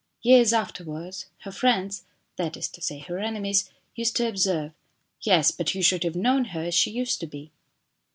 Years afterwards, her friends that is to say her enemies used to observe :" Yes, but you should have known her as she used to be."